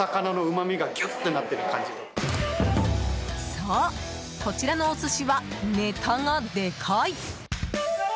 そう、こちらのお寿司はネタがでかい！